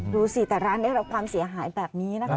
ดูสิแต่ร้านได้รับความเสียหายแบบนี้นะคะ